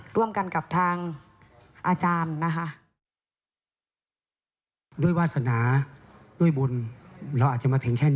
ร่วมกันกับทางอาจารย์นะคะ